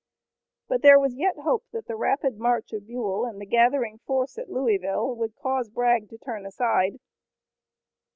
But there was yet hope that the rapid march of Buell and the gathering force at Louisville would cause Bragg to turn aside.